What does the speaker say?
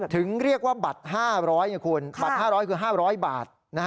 ถึงเรียกว่าบัตร๕๐๐ไงคุณบัตร๕๐๐คือ๕๐๐บาท